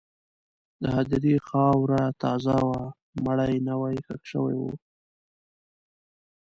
د هدیرې خاوره تازه وه، مړی نوی ښخ شوی و.